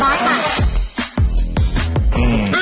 งั้นไง